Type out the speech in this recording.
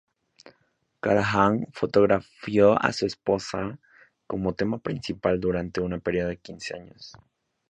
Callahan fotografió a su esposa, como tema principal, durante un período de quince años.